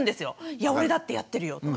「いや俺だってやってるよ！」とか。